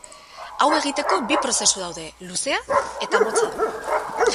Hau egiteko bi prozesu daude, luzea eta motza.